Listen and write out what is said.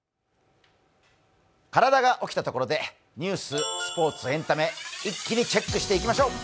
体が起きたところでニュース、スポーツ、エンタメ一気にチェックしていきましょう。